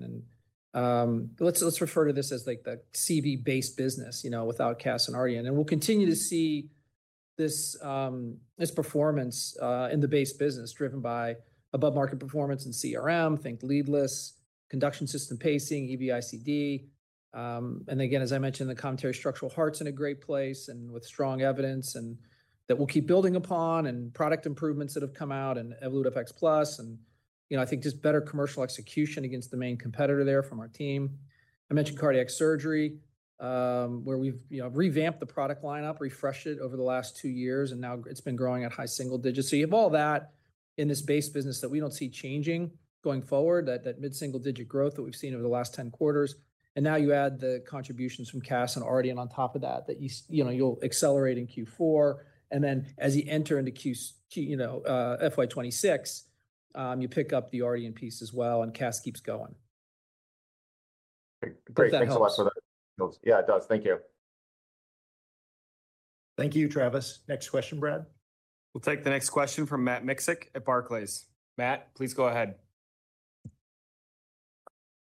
And let's refer to this as like the CV-based business, you know, without CAS and Affera. And we'll continue to see this performance in the base business driven by above-market performance in CRM, think leadless, conduction system pacing, EV-ICD. Again, as I mentioned, the commentary Structural Heart's in a great place and with strong evidence and that we'll keep building upon and product improvements that have come out and Evolut FX+. You know, I think just better commercial execution against the main competitor there from our team. I mentioned Cardiac Surgery where we've, you know, revamped the product lineup, refreshed it over the last two years, and now it's been growing at high single digits. You have all that in this base business that we don't see changing going forward, that mid-single digit growth that we've seen over the last 10 quarters. Now you add the contributions from CAS and RDN on top of that, that, you know, you'll accelerate in Q4. And then as you enter into Q, you know, FY 2026, you pick up the Affera piece as well and CAS keeps going. Great. Thanks a lot for that. Yeah, it does. Thank you. Thank you, Travis. Next question, Brad. We'll take the next question from Matt Miksic at Barclays. Matt, please go ahead.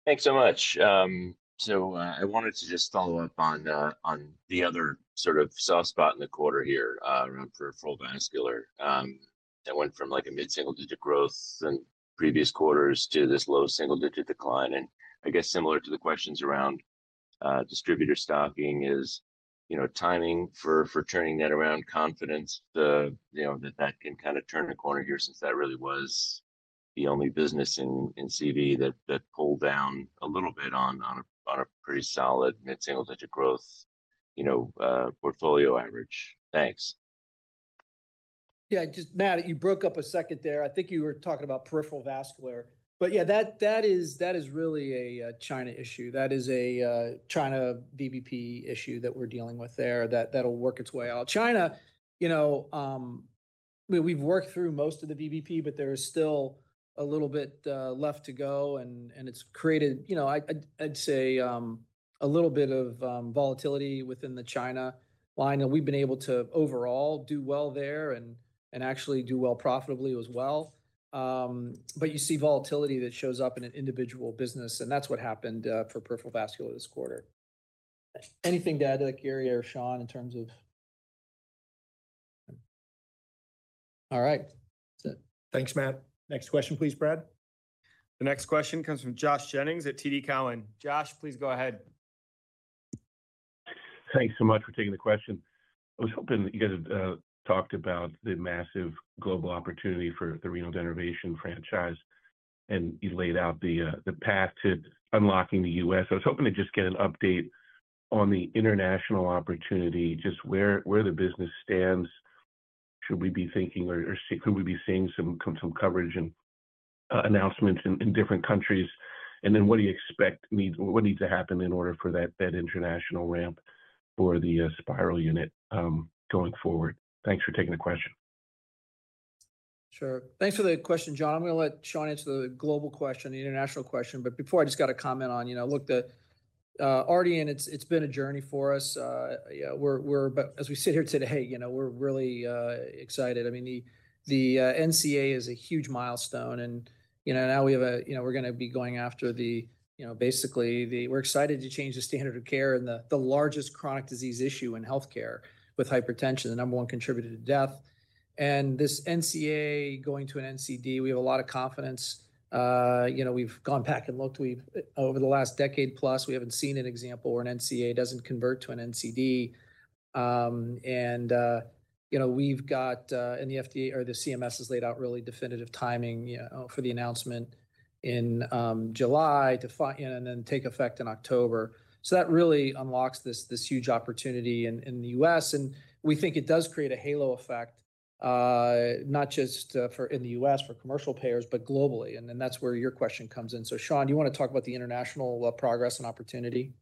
Thanks so much. So I wanted to just follow up on the other sort of soft spot in the quarter here around Peripheral Vascular. That went from like a mid-single digit growth in previous quarters to this low single digit decline. And I guess similar to the questions around distributor stocking is, you know, timing for turning that around confidence, you know, that that can kind of turn a corner here since that really was the only business in CV that pulled down a little bit on a pretty solid mid-single digit growth, you know, portfolio average. Thanks. Yeah. Just, Matt, you broke up a second there. I think you were talking about Peripheral Vascular. But yeah, that is really a China issue. That is a China VBP issue that we're dealing with there that'll work its way out. China, you know, we've worked through most of the VBP, but there is still a little bit left to go. And it's created, you know, I'd say a little bit of volatility within the China line. And we've been able to overall do well there and actually do well profitably as well. But you see volatility that shows up in an individual business. And that's what happened for Peripheral Vascular this quarter. Anything to add to that, Gary or Sean? All right. Thanks, Matt. Next question, please, Brad. The next question comes from Josh Jennings at TD Cowen. Josh, please go ahead. Thanks so much for taking the question. I was hoping that you guys had talked about the massive global opportunity for the renal denervation franchise. And you laid out the path to unlocking the U.S. I was hoping to just get an update on the international opportunity, just where the business stands. Should we be thinking or could we be seeing some coverage and announcements in different countries? And then what do you expect needs to happen in order for that international ramp for the Spyral unit going forward? Thanks for taking the question. Sure. Thanks for the question, Josh. I'm going to let Sean answer the global question, the international question. But before, I just got a comment on, you know, look, the RDN, it's been a journey for us. As we sit here today, you know, we're really excited. I mean, the NCA is a huge milestone. And, you know, now we have a, you know, we're going to be going after the, you know, basically the, we're excited to change the standard of care and the largest chronic disease issue in healthcare with hypertension, the number one contributor to death. And this NCA going to an NCD, we have a lot of confidence. You know, we've gone back and looked over the last decade plus, we haven't seen an example where an NCA doesn't convert to an NCD. You know, we've got in the FDA or the CMS has laid out really definitive timing, you know, for the announcement in July to find, you know, and then take effect in October. That really unlocks this huge opportunity in the U.S. We think it does create a halo effect, not just for in the U.S. for commercial payers, but globally. Then that's where your question comes in. Sean, do you want to talk about the international progress and opportunity?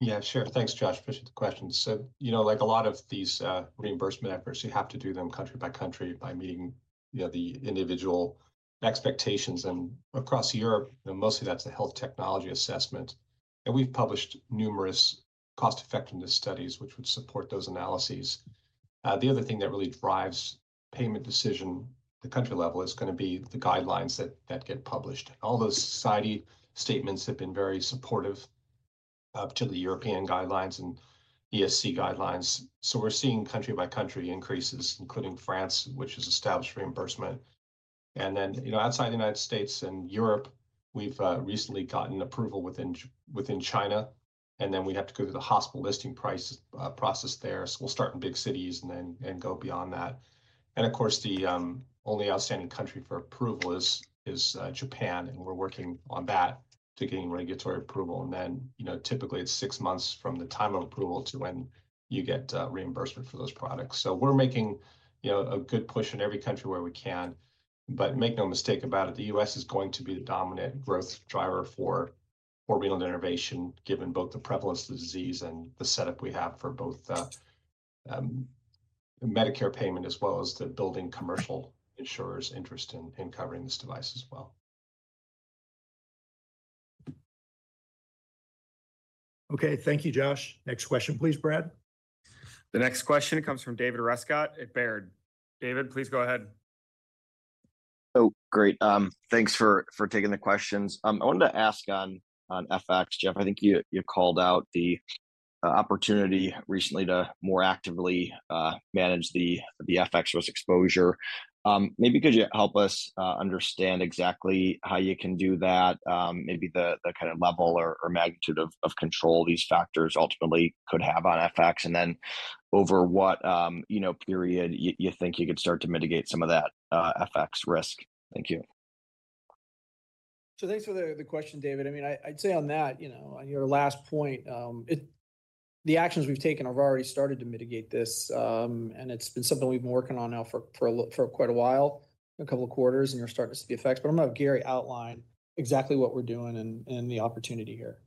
Yeah, sure. Thanks, Josh. Appreciate the question. So, you know, like a lot of these reimbursement efforts, you have to do them country by country by meeting, you know, the individual expectations. And across Europe, mostly that's a health technology assessment. And we've published numerous cost-effectiveness studies which would support those analyses. The other thing that really drives payment decision at the country level is going to be the guidelines that get published. All those society statements have been very supportive to the European guidelines and ESC guidelines. So we're seeing country by country increases, including France, which has established reimbursement. And then, you know, outside the United States and Europe, we've recently gotten approval within China. And then we have to go through the hospital listing price process there. So we'll start in big cities and then go beyond that. Of course, the only outstanding country for approval is Japan. We're working on that to gain regulatory approval. You know, typically it's six months from the time of approval to when you get reimbursement for those products. We're making, you know, a good push in every country where we can. Make no mistake about it, the U.S. is going to be the dominant growth driver for renal denervation given both the prevalence of the disease and the setup we have for both Medicare payment as well as the building commercial insurers' interest in covering this device as well. Okay. Thank you, Josh. Next question, please, Brad. The next question comes from David Rescott at Baird. David, please go ahead. Oh, great. Thanks for taking the questions. I wanted to ask on FX, Geoff. I think you called out the opportunity recently to more actively manage the FX risk exposure. Maybe could you help us understand exactly how you can do that? Maybe the kind of level or magnitude of control these factors ultimately could have on FX and then over what, you know, period you think you could start to mitigate some of that FX risk? Thank you. So thanks for the question, David. I mean, I'd say on that, you know, on your last point, the actions we've taken have already started to mitigate this. And it's been something we've been working on now for quite a while, a couple of quarters, and you're starting to see the effects. But I'm going to have Gary outline exactly what we're doing and the opportunity here.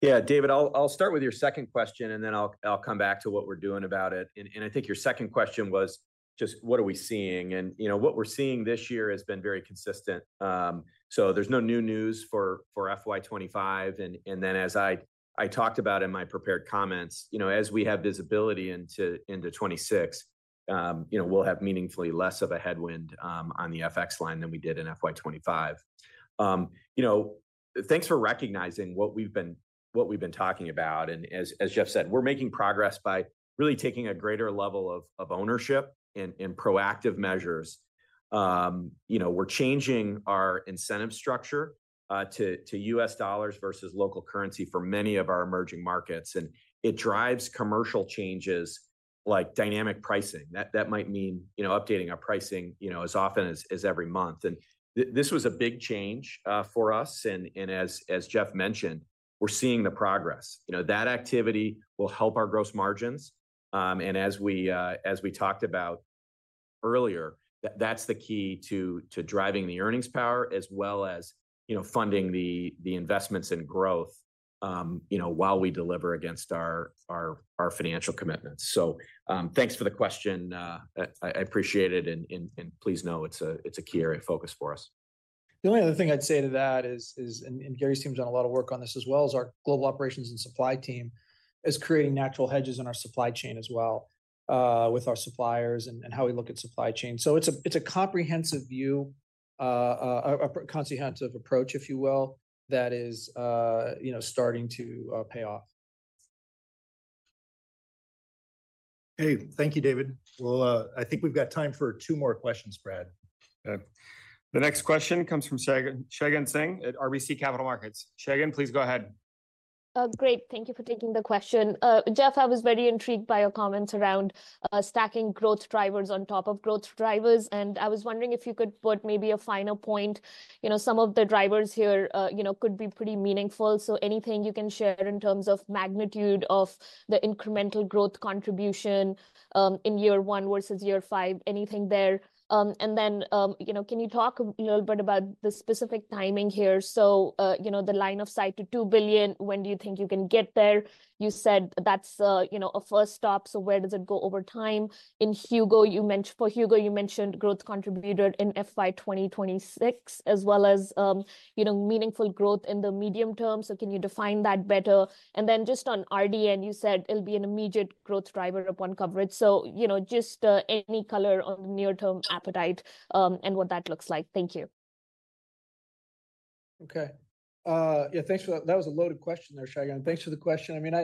Yeah, David, I'll start with your second question, and then I'll come back to what we're doing about it. And I think your second question was just what are we seeing? And, you know, what we're seeing this year has been very consistent. So there's no new news for FY 2025. And then as I talked about in my prepared comments, you know, as we have visibility into 2026, you know, we'll have meaningfully less of a headwind on the FX line than we did in FY 2025. You know, thanks for recognizing what we've been talking about. And as Geoff said, we're making progress by really taking a greater level of ownership and proactive measures. You know, we're changing our incentive structure to U.S. dollars versus local currency for many of our emerging markets. And it drives commercial changes like dynamic pricing. That might mean, you know, updating our pricing, you know, as often as every month, and this was a big change for us, and as Geoff mentioned, we're seeing the progress. You know, that activity will help our gross margins, and as we talked about earlier, that's the key to driving the earnings power as well as, you know, funding the investments in growth, you know, while we deliver against our financial commitments, so thanks for the question. I appreciate it, and please know it's a key area of focus for us. The only other thing I'd say to that is, and Gary's team has done a lot of work on this as well, is our global operations and supply team is creating natural hedges in our supply chain as well with our suppliers and how we look at supply chain. So it's a comprehensive view, a comprehensive approach, if you will, that is, you know, starting to pay off. Hey, thank you, David. Well, I think we've got time for two more questions, Brad. The next question comes from Shagun Singh at RBC Capital Markets. Shagun, please go ahead. Great. Thank you for taking the question. Geoff, I was very intrigued by your comments around stacking growth drivers on top of growth drivers. And I was wondering if you could put maybe a final point, you know, some of the drivers here, you know, could be pretty meaningful. So anything you can share in terms of magnitude of the incremental growth contribution in year one versus year five, anything there? And then, you know, can you talk a little bit about the specific timing here? So, you know, the line of sight to $2 billion, when do you think you can get there? You said that's, you know, a first stop. So where does it go over time? In Hugo, you mentioned for Hugo, you mentioned growth contributor in FY 2026, as well as, you know, meaningful growth in the medium term. So can you define that better? And then just on RDN, you said it'll be an immediate growth driver upon coverage. So, you know, just any color on the near-term appetite and what that looks like. Thank you. Okay. Yeah, thanks for that. That was a loaded question there, Shagun. Thanks for the question. I mean,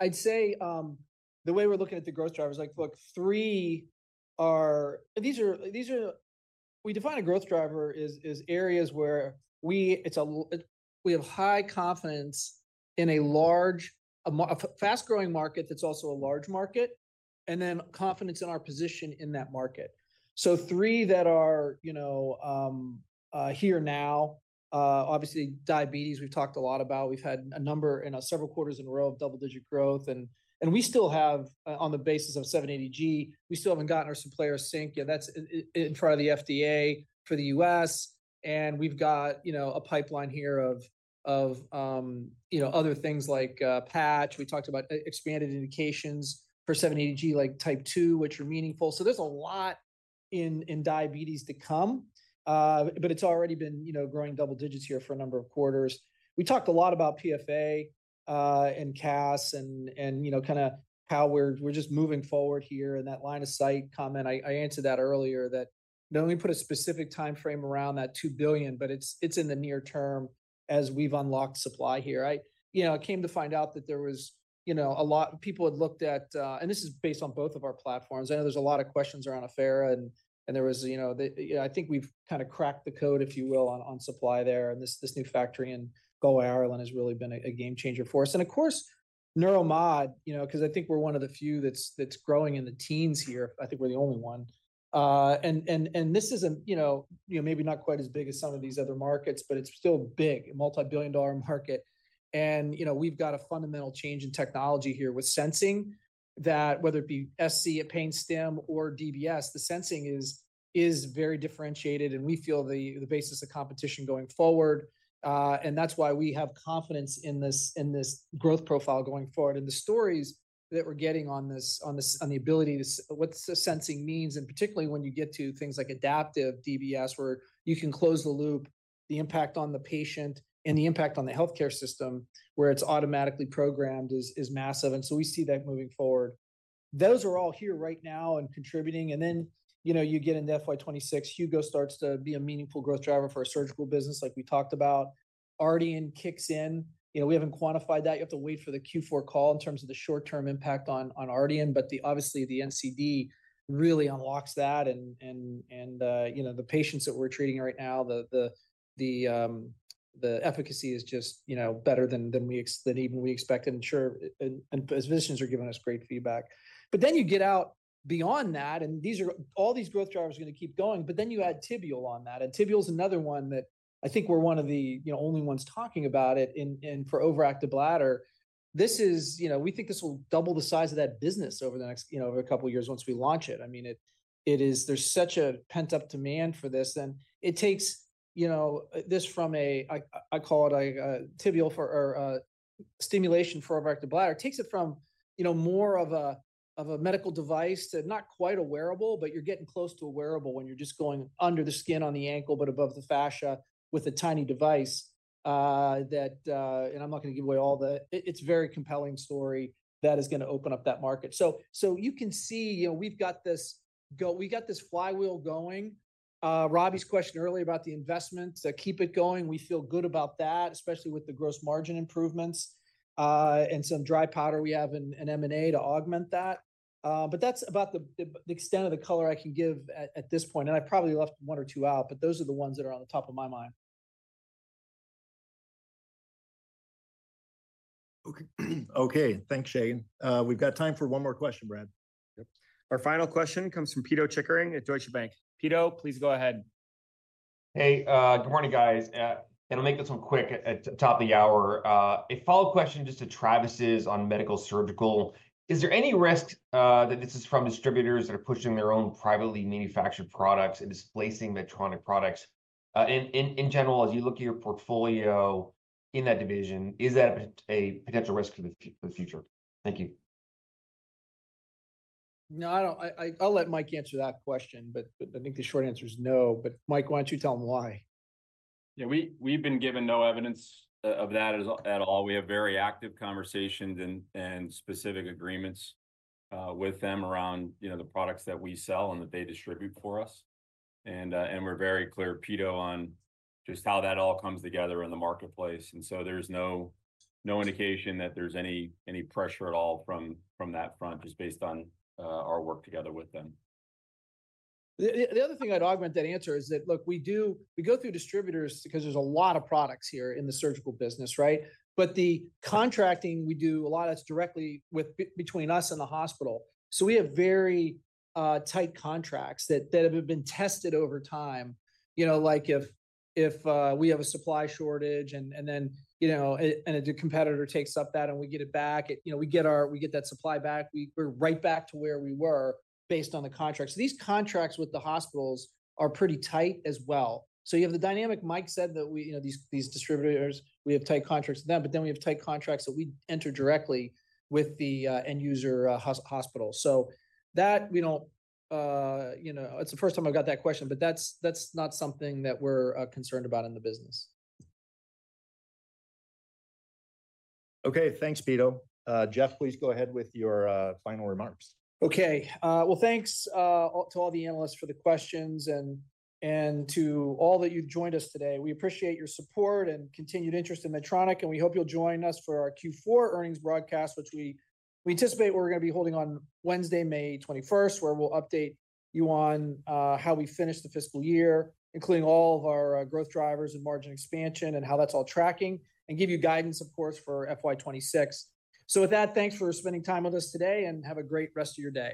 I'd say the way we're looking at the growth drivers, like, look, three areas. These are we define a growth driver as areas where we have high confidence in a large, fast-growing market that's also a large market, and then confidence in our position in that market. So three that are, you know, here now, obviously Diabetes, we've talked a lot about. We've had a number in several quarters in a row of double-digit growth. And we still have, on the basis of 780G, we still haven't gotten our Simplera Sync. And that's in front of the FDA for the U.S. And we've got, you know, a pipeline here of, you know, other things like patch. We talked about expanded indications for 780G, like type 2, which are meaningful. So there's a lot in Diabetes to come. But it's already been, you know, growing double digits here for a number of quarters. We talked a lot about PFA and CAS and, you know, kind of how we're just moving forward here in that line of sight comment. I answered that earlier that don't we put a specific time frame around that $2 billion, but it's in the near term as we've unlocked supply here. You know, I came to find out that there was, you know, a lot of people had looked at, and this is based on both of our platforms. I know there's a lot of questions around Affera. And there was, you know, I think we've kind of cracked the code, if you will, on supply there. And this new factory in Galway, Ireland has really been a game changer for us. And of course, Neuromodulation, you know, because I think we're one of the few that's growing in the teens here. I think we're the only one. And this isn't, you know, maybe not quite as big as some of these other markets, but it's still a big multi-billion-dollar market. And, you know, we've got a fundamental change in technology here with sensing that whether it be SCS for pain stim or DBS, the sensing is very differentiated. And we feel the basis of competition going forward. And that's why we have confidence in this growth profile going forward. And the stories that we're getting on this, on the ability to what sensing means, and particularly when you get to things like adaptive DBS, where you can close the loop, the impact on the patient and the impact on the healthcare system where it's automatically programmed is massive. So we see that moving forward. Those are all here right now and contributing. Then, you know, you get into FY 2026. Hugo starts to be a meaningful growth driver for a Surgical business like we talked about. RDN kicks in. You know, we haven't quantified that. You have to wait for the Q4 call in terms of the short-term impact on RDN. But obviously, the NCD really unlocks that. You know, the patients that we're treating right now, the efficacy is just, you know, better than even we expected. And sure, physicians are giving us great feedback. Then you get out beyond that. And all these growth drivers are going to keep going. But then you add Tibial on that. And Tibial is another one that I think we're one of the, you know, only ones talking about it. For overactive bladder, this is, you know, we think this will double the size of that business over the next, you know, over a couple of years once we launch it. I mean, there's such a pent-up demand for this. It takes, you know, this from a, I call it a Tibial Neuromodulation for overactive bladder. It takes it from, you know, more of a medical device to not quite a wearable, but you're getting close to a wearable when you're just going under the skin on the ankle, but above the fascia with a tiny device that, and I'm not going to give away all the, it's a very compelling story that is going to open up that market. You can see, you know, we've got this, we've got this flywheel going. Robbie's question earlier about the investments, keep it going. We feel good about that, especially with the gross margin improvements and some dry powder we have in M&A to augment that. But that's about the extent of the color I can give at this point, and I probably left one or two out, but those are the ones that are on the top of my mind. Okay. Thanks, Shagun. We've got time for one more question, Brad. Yep. Our final question comes from Pito Chickering at Deutsche Bank. Pito, please go ahead. Hey, good morning, guys, and I'll make this one quick at the top of the hour. A follow-up question just to Travis's on Medical Surgical. Is there any risk that this is from distributors that are pushing their own privately manufactured products and displacing Medtronic products, and in general, as you look at your portfolio in that division, is that a potential risk for the future? Thank you. No, I'll let Mike answer that question. But I think the short answer is no. But Mike, why don't you tell them why? Yeah, we've been given no evidence of that at all. We have very active conversations and specific agreements with them around, you know, the products that we sell and that they distribute for us. And we're very clear, Pito, on just how that all comes together in the marketplace. And so there's no indication that there's any pressure at all from that front, just based on our work together with them. The other thing I'd augment that answer is that, look, we go through distributors because there's a lot of products here in the Surgical business, right? But the contracting, we do a lot of it's directly between us and the hospital. So we have very tight contracts that have been tested over time. You know, like if we have a supply shortage and then, you know, and a competitor takes up that and we get it back, you know, we get that supply back, we're right back to where we were based on the contracts. These contracts with the hospitals are pretty tight as well. So you have the dynamic, Mike said that we, you know, these distributors, we have tight contracts with them, but then we have tight contracts that we enter directly with the end user hospital. So, that, you know, it's the first time I've got that question, but that's not something that we're concerned about in the business. Okay. Thanks, Pito. Geoff, please go ahead with your final remarks. Okay. Well, thanks to all the analysts for the questions and to all that you've joined us today. We appreciate your support and continued interest in Medtronic. And we hope you'll join us for our Q4 earnings broadcast, which we anticipate we're going to be holding on Wednesday, May 21st, where we'll update you on how we finished the fiscal year, including all of our growth drivers and margin expansion and how that's all tracking, and give you guidance, of course, for FY 2026. So with that, thanks for spending time with us today and have a great rest of your day.